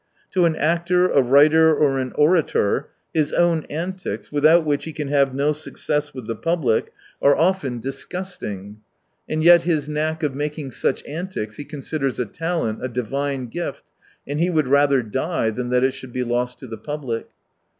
To an actor, a writer, or an orator, his own antics, without which he can have no success with the public, are often 87 disgusting. And yet his knack of making such antics he considers a talent, a divine gift, and he would rather die than that it should be lost to the public.